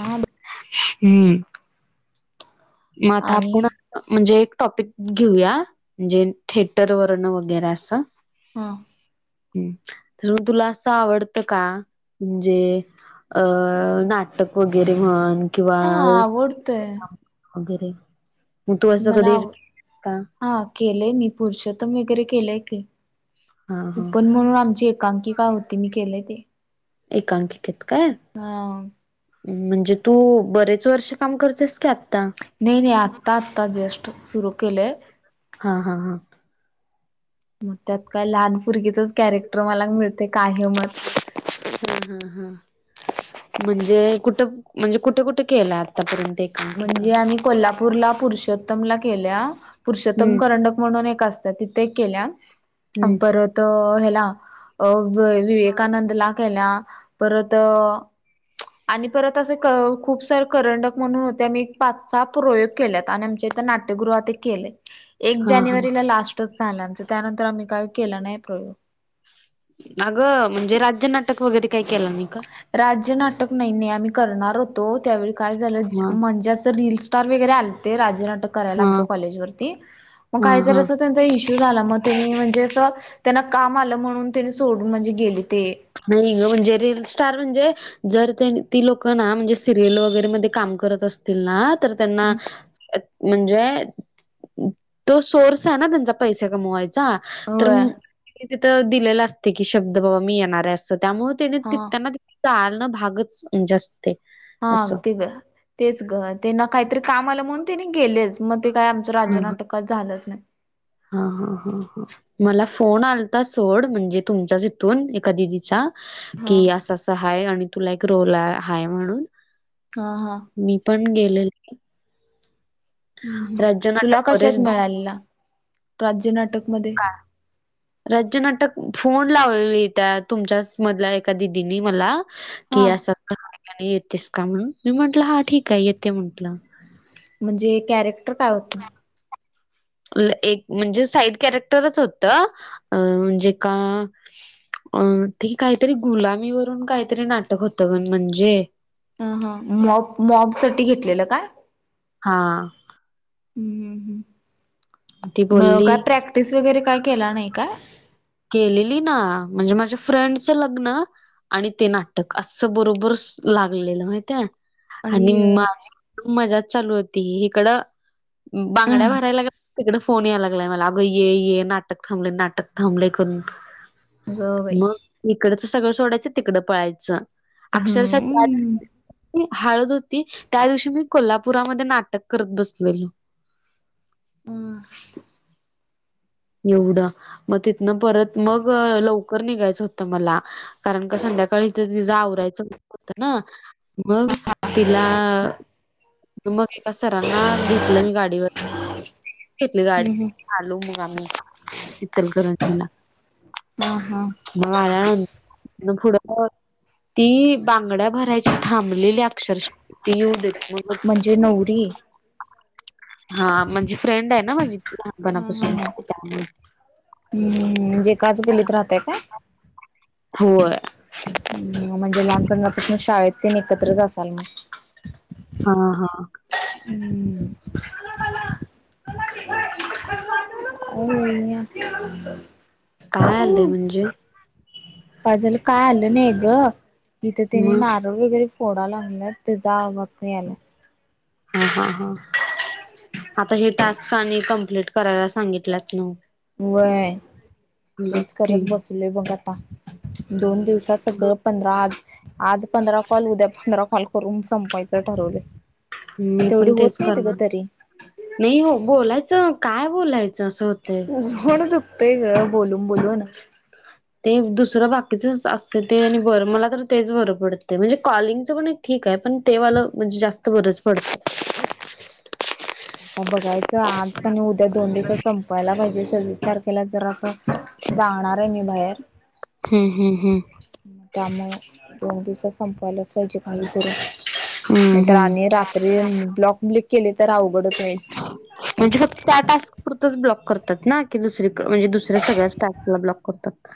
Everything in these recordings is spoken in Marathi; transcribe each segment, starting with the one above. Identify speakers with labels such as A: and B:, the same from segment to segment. A: आ बर
B: हम्म.. म आता
A: आणि
B: पुन्हा- म्हणजे एक टॉपिक घेऊया म्हणजे थिटर वरन वगैरे असं.
A: हा
B: हम्म तर मग तुला असं आवडतं का म्हणजे? अ नाटक वगैरे म्हण. किंवा
A: हा आवडत.
B: वगैरे मग तू असं
A: मला
B: कधी
A: आवड
B: का
A: हा केलंय मी पुरुषोत्तम वगैरे केलंय की.
B: हा हा
A: पण म्हणून आमची एकांकी काय होती मी केलेय ते.
B: एकांकिकेत काय.
A: हा
B: म्हणजे तू बरेच वर्ष काम करतेस की आत्ता?
A: नाही नाही आत्ता आत्ता जस्ट सुरू केलंय..
B: हा हा हा.
A: मग त्यात काय लहान पुरगीचच कॅरेक्टर मला मिळते कायमच.
B: हम्म हम्म हम्. म्हणजे कुठं म्हणजे कुठे कुठे केलं आतापर्यंत? एकांकिका
A: म्हणजे आम्ही कोल्हापूरला पुरुषोत्तम ला केल्या पुरुषोत्तम
B: हम्म
A: करंड म्हणून एक असत तिथे केल्या
B: हम्म
A: परत हेला अ विवेकानंद लाकेल्या. परत आणि परत असे क खूप सार करंडक म्हणून हो पाच सहा प्रयोग केलेत आणि आमच्या इथ नाट्यगृहातही केले एक
B: हा हा
A: जानेवारीला लास्ट तसं झालं आमच त्यानंतर आम्ही काही केला नाही प्रयोग.
B: अगं म्हणजे राज्य नाटक वगैरे काय केलं नाही का?
A: राज्य नाटक नाही नाहीे आम्ही करणार होतो त्यावेळी काय झालं
B: हा
A: म्हणजे अस रिल्स तार वगैरे आलते राज्य नाटक करायला
B: हा
A: आमच्या कॉलेज वरती मग
B: हा
A: काहीतर
B: हा
A: असं त्यांचा इश्यू झाला मग त्यानी म्हणजे असं त्यांना काम आलं म्हणून त्यांनी सोडून म्हणजे गेले ते.
B: नाही ग म्हणजे रील स्टार म्हणजे जर त्यांन ती लोक ना म्हणजे सिरियल वगैरे मध्ये काम करत असतील ना तर त्यांना म्हणजे तो सोर्स आहे ना त्यांचा पैसा कमवायचा. तर
A: होय
B: तिथं दिलेलं असते की शब्द बाबा मी येणार आहे असं त्यामुळे त्याने
A: हा
B: ती त्यांना चालणं भागच म्हणजे अस्
A: हा ते ग तेच ग ते ना काहीतरी काम आलं म्हणून तेनी गेलेच मग ते काय आम
B: हा
A: राजनाटक काय झालंच नाही.
B: हा हा ह ह मला फोन आलता सोड म्हणजे तुमच्याच इथून एका दिदीचा
A: हा
B: कि अस अस हाय आणि तुला एक रोल हाय म्हणून.
A: हा हा.
B: मी पण गेलेल.
A: ह ह तुला कशात
B: दोन
A: मिळालेला राज्य नाटकमध्ये?
B: [inaudible] राज्य नाटक फोन लावली त्या तुमच्याच मधल्या एका दिदीनी मला कि
A: हा
B: असं असं आहे येतेस का म्हणून मी म्हंटलं हा ठीक आहे येते म्हटलं.
A: म्हणजे कॅरेक्टर काय होतं?
B: [inaudible] एक म्हणजे साईड कॅरेक्टरच होतं अ म्हणजे का अ ते काहीतरी गुलामीवरून काहीतरी नाटक होतं गण म्हणजे.
A: ह हा मॉब मॉब साठी घेतलेलं काय?
B: हा.
A: हमहम्
B: ती
A: मग
B: बोलली
A: काय प्रॅक्ट टिस वगैरे काय केला नाही काय?
B: केलेली ना म्हणजे माझ्या फ्रेंडचं लग्न आणि ते नाटक असं बरोबर लागलेलं माहित आहे.
A: आई
B: आणि
A: य.
B: माझी मजाच चालू होती हिकडं बांगड्या भरायला लागल्या तिकड फोन यायला लागलाय मला अगं ये ये नाटक थांबले नाटक थांबले. करून
A: अगं बाई
B: मग इकडच सगळं सोडायचं तिकडं पळायचं. अक्षरशः
A: हम्म.
B: हळद होती त्या दिवशी मी कोल्हापुरामध्ये नाटक करत बसलेलो.
A: हम्.
B: एवढं मग तिथनं परत मग लवकर निघायचं होतं मला. कारण का संध्याकाळीथ [inaudible] तिं आवरायचं होतं ना, मग तिला. मग एका सरांना घेतलं मी गाडीवर. घेतली गाडी
A: हम्म
B: आलू मग आम्ही [inaudible] चलकरं तला
A: हा.. हा..
B: मग आल्यान म पुढं [inaudible] ती बांगड्या भरायची थांबलेली [inaudible] अक्षर ती येऊ [inaudible] द [inaudible] बच
A: म्हणजे नवरी.
B: हा म्हणजे फ्रेंड आहे ना माझी. त
A: हा हा
B: लहानपणापासून [inaudible]
A: [inaudible] ण जे काच बलत राहतय का
B: हो [inaudible]
A: ह म्हणजे लहानपणापासून शाळेत ते एकत्र असाल मग.
B: हा. हा.
A: [unintelligible] [inaudible] हम्म [unintelligible] हो [inaudible]
B: काय आलंय म्हणजे.
A: पाजल काय आलं नाही ग, इिथं तिने
B: मग
A: न. वगैरे फोडा लागला [inaudible] त्याचा [inaudible] बातरी आला
B: हा, हा, हा, आता हे टास्क आणि कम्प्लीट करायला सांगितलंच न.
A: वय तेच
B: की
A: करत बसलय बघ आता दोन दिवस सगळं पंधरा आज, आज पंधरा कॉल, उद्या पंधरा कॉल करून संपवायचं ठरवलं.
B: मी
A: तेवढी
B: पण तेच
A: होत नाहीत ग
B: करणार
A: तरी.
B: नाही हो बोलायचं काय बोलायचं असंत.
A: तोंड दुखतय ग बोलून, बोलून.
B: ह [inaudible] ते दुसरं बाकीच असते ते आणि बरं मला तर तेच बरं पडते म्हणजे कॉलिंगचं पण ठीक आहे. पण तेवालं म्हणजे जास्त गरज पडते.
A: आता बघायचं आज आणि उद्या दोन दिवसात संपयला पाहिजे सव्वीस [inaudible] सारखा केला जरा असं जाणार आहे मी बाहेर.
B: हम्म.. हम्म.. हम्म..
A: त्यामु दोन दिवसात संपवायलाच पाहिजे, काही करून.
B: हम्म
A: नाहींतर
B: हम्म.
A: आणि रात्री ब्लॉक ब्लिक केले तर अवघडच [inaudible] नाही
B: [inaudible] णजे फक्त त्या टास्क. पुुरतच ब्लॉक करतात ना. की दुसरी म्हणजे, दुसऱ्या सगळ्या स्टाफला ब्लॉक करतात.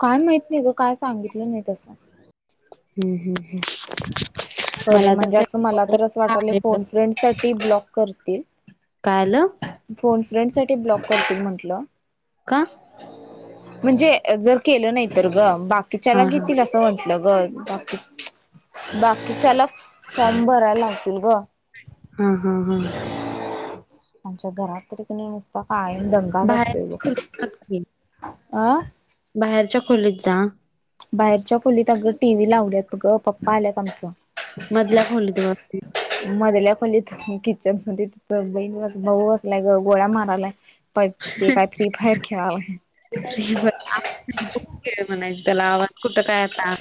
A: काय माहित नाही ग काय सांगितलं नाही तसं.
B: हम्म.. हम्. हम्.
A: बर म्हणजे असं मला तर असं वाट
B: आलेलं
A: फोन फ्रेंड साठी ब्लॉक करतील.
B: कायलं.
A: फोन फ्रेंड साठी ब्लॉक करतील म्हंटलं.
B: का
A: म्हणजे जर केलं नाही तर ग बाकीच्याला
B: हा हा
A: घेतील अस [inaudible] असं म्हंटलं ग बाकी. बाकीच्याला [inaudible] फम भरायला लागतील ग.
B: हा. हा. हा.
A: आमच्या घरात तरी [inaudible] कणी नसत कायम दंगाच
B: बाहेर
A: असतो [inaudible] लोक
B: खोलीत
A: अह
B: बाहेरच्या खोलीत जा
A: बाहेरच्या खोलीत अगं टीव्ही लावल्यात गं पप्पा आल्यात आमचं
B: मधल्या खोलीत वरती
A: मधल्या खोलीत किचन मध्ये बहीण भाऊ बसलाय ग गोळ्या मारालाय पण ते काय फ्री फायर खेळावं आहे
B: आ ख म्हणायचं त्याला आवाज कुठं काय आता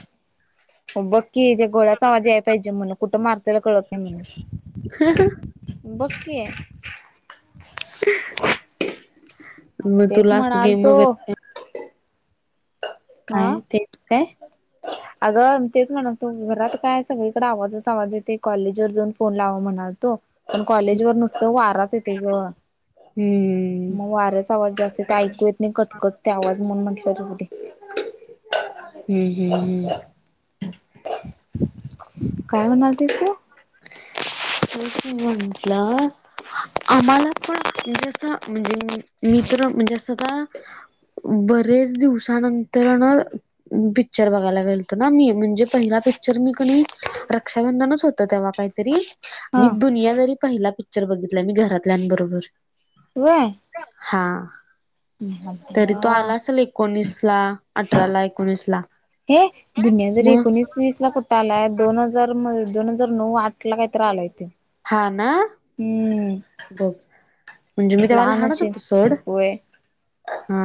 A: बघ की ज्या गोळ्याचा आवाज याला पाहिजे म्हण कुठं मारतायला कळत नाही म्हणून बस की ये. आता
B: मग
A: तेच
B: तुला अस
A: म्हणाल
B: गेम
A: तो
B: वगैरे
A: हा
B: काय ते काय?
A: अगं तेच म्हणातो घरात काय सगळीकडे आवाजचा आवाज येते कॉलेजवर जाऊन. फोन लाव म्हणालतो पण कॉलेज वर नुसतं वाराच येतंय ग
B: हम्म
A: मग वाऱ्याचा आवाज जास्त ते ऐकू येत नाही कटकट ते आवाज म्हणून म्हटलं जाऊ दे
B: हम्म हम्म हम्म.
A: काय म्हणाल तीस तू
B: [unintelligible] तेच मी म्हटलं आम्हाला पण जस म्हणजे मि तर्र म्हणजे असं का बरेच दिवसानंतर न पिक्चर बघायला गेलतो ना मी म्हणजे पहिला पिच चरमिकली रक्षाबंधनच होत तेव्हा काहीतरी
A: हा
B: आणि दुनियादारी पहिला पिक्चर बघितला मी घरातल्यांबरोबर
A: व्हय
B: हा
A: हम्म
B: तरी तो आला असेल एकोणीस ला अठरा ला एकोणीस ला
A: हे दुनियादारी
B: मग
A: एकोणीस वीस ला कुठं आलाय दोन हजार म दोन हजार नऊ आठ ला काहीतर आलाय त्यो
B: हा ना
A: हम्म
B: बघ म्हणजे मी तेव्हा
A: लहान
B: लहानच
A: अशील
B: होतो सोड
A: होय
B: हा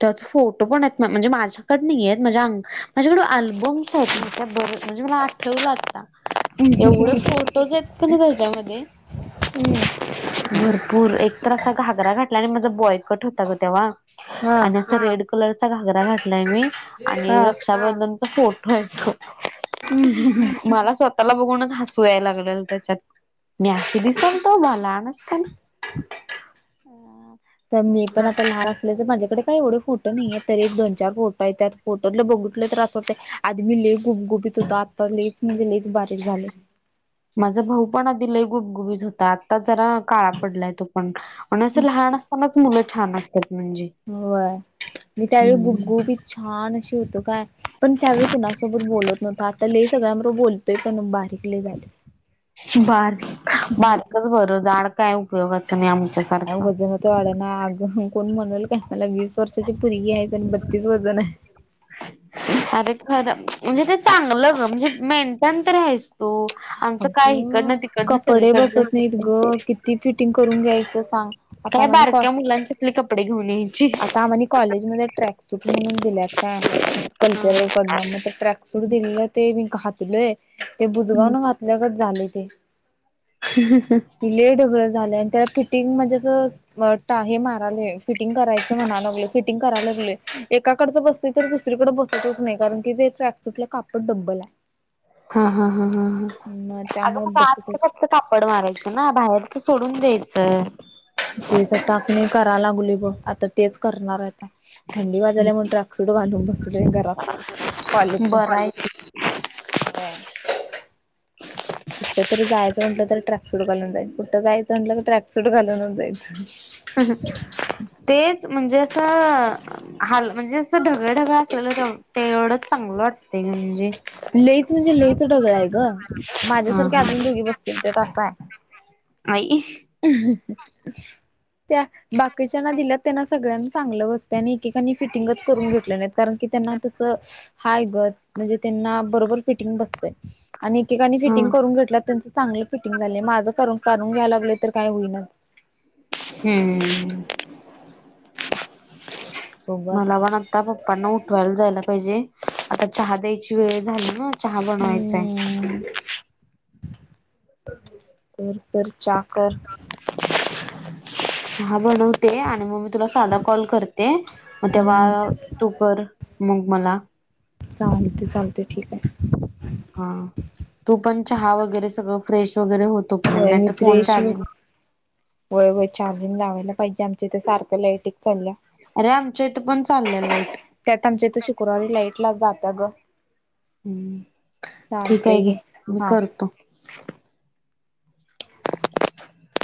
B: त्यात फोटो पण आहेत म्हणजे माझ्याकडे नाहीयेत म झ्या अंक माझ्याकड अल्बम हो म्हणजे मला आठवल आता एवढे फोटोज हायत का नाही त्याच्यामध्ये
A: हम्म
B: भरपूर एक तर असा घागरा घाटला आणि माझा बॉय कट होता ग तेव्हा
A: हा
B: आणि असा रेड कलरचा घागरा घातलाय मी आणि
A: हा
B: रश त्याबदलचा फोटो आहे तो मला स्वत त्याला बघूनच हसू यायला लागलेल त्याच्यात मी अशी दिसलतो लहान असताना
A: अ जम मी पण आता लहान अस माझ्याकडे काही एवढे फोटो नाहीयेत तर एक दोन चार फोटो आहेत त्या फोटोतले बघितललो तरी असं वाटतंय आदी मी लय गूबगुबीत होतो आता लइच म्हणजे लइच बारीक झालंय.
B: माझा भाऊ पण आदी लै गुबगुबीत होता आता जरा काळा पडलाय तो पण म्हण असं लहान असतानाच मुलं छान असतात म्हणजे
A: होय मी त्यावेळी
B: हम्म
A: गुबगुबीत छान अशी होतो काय. पण त्यावेळी कुणासोबत बोलत नव्हतं आता लय सगळ्यांबरोबर बोलतोय पण बारीक लय झालय.
B: बारीक बारकच बरं जाड काय उपयोगाचं नाय आमच्यासारखं.
A: वाडना अजून कोण म्हणलं काय मला वीस वर्षाची पोरगी हायस आणि बत्तीस वजन हाय.
B: अरे खर म्हणजे ते चांगलं ग म्हणजे मेंटन तरी हायस तू. आमचं काय
A: अगं
B: हिकडनं तिकडनं
A: कपडे बसत
B: सगळीकडनंच
A: नायत ग किती फिटिंग करून घ्यायचं सांग. आता
B: काय
A: आम्हानी कॉ
B: बारक्या मुलांच्यातले कपडे घेऊन एन.
A: आता आम्हानी कॉलेजमध्ये ट्रॅक सूट म्हणून दिल्यात काय कल्चरल कडण मग ते ट्रॅक सोड दिलेला ते मी घातलोय ते बुजगाव न घातल्यागत झालय ते.
B: [unintelligible]
A: ति लय ढगळं झालय आणि त्याला फिटिंग म्हणजे असं टा हे मारालय फिटिंग करायच अस म्हणा लागलोय फिटिंग कराय लागलोय एकाकडचं बसतय तर दुसरीकड बसतच नाय कारण की ते ट्रॅकसुटला काप डब्बल आय.
B: हा हा हा ह ह,
A: मग
B: अग
A: त्यामुळे
B: कुट आतल
A: बसतच
B: फक्त कापड मारायचं ना बाहेरच सोडून द्यायचं.
A: तिचा टाक मी करालोय बघ आता तेच करणार आय आता थंडी वाजायला म्हण ट्रॅक सूट घालून आलोयय घरात कॉलेजच
B: बरं आहे
A: होय. कुठ तरी जायचं म्हटलं तरी ट्रॅक सूट घालून जाईल कुठं जायचं म्हटलं तर ट्रॅक सूट घालूनच जायच.
B: तेच म्हणजे असं हाल म्हणजे असं ढगळं ढगळं असल ना ते ते एवढंच चांगलं वाटतय म्हणजे
A: लईच म्हणजे लईच ढगळ हाय ग
B: हा
A: माझ्यासारखे
B: हा.
A: अजून दोघी बसतील त्यात आसाय.
B: आई.
A: [inaudible] त्या बाकीच्यांना दिल्यात त्यांना सगळ्यांना चांगलं बसतय आणि एकेकांनी फिटिंगच करून घेतलं नायत. कारण की त्यांना तस हायग म्हणजे त्यांना बरोबर फिटिंग बसतय. आणि एकेकानी फिटिंग
B: हम्म
A: करून घेतला त्यांचं चांगलं फिटिंग झालंय माझं करून करून घ्यायला लागलं तर काय होयनाच.
B: हम्म, मला पण आता पप्पांना उठवायला जायला पाहिजे आता चहा द्यायची वेळ झाली ना चहा बनवायचाय.
A: हम्म कर कर चहा कर.
B: हा बनवते आणि मग मी तुला साधा कॉल करते म तेव्हा
A: हम्म
B: तू कर मग मला
A: चालतय चालतय ठीक आय.
B: हा तू पण चहा वगैरे सगळं फ्रेश वगैरे हो तो
A: हो मी फ्रेश व्हय व्हय चार्जिंग लावायला पाहिजे आमच्या इथ सारखं लाईटिक येत चाललीया.
B: अरे आमच्या इथ पण चाललिया लाईट.
A: त्यात आमच्या इथ शुक्रवारी लाईट ला जातीय ग.
B: हम्म ठीक आय
A: चालतंय
B: की
A: घे
B: मी
A: हा.
B: करतो.